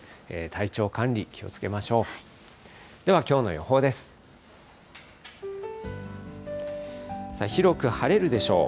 体調管理、気をつけましょう。